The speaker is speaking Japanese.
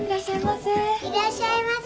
いらっしゃいませ。